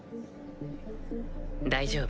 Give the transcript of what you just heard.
大丈夫？